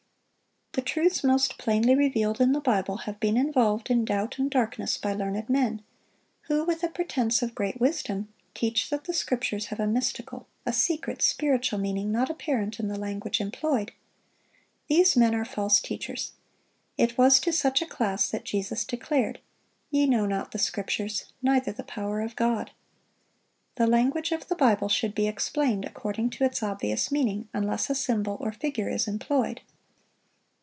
The truths most plainly revealed in the Bible have been involved in doubt and darkness by learned men, who, with a pretense of great wisdom, teach that the Scriptures have a mystical, a secret, spiritual meaning not apparent in the language employed. These men are false teachers. It was to such a class that Jesus declared, "Ye know not the Scriptures, neither the power of God."(1032) The language of the Bible should be explained according to its obvious meaning, unless a symbol or figure is employed.